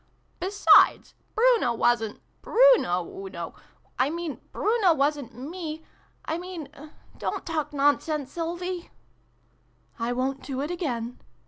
" Besides, Bruno wasn't Bruno, oo know 1 mean, Bruno wasn't me 1 mean don't talk nonsense, Sylvie !" "I won't do it again!"